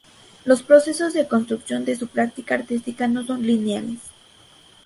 Los procesos de construcción de su práctica artística no son lineales.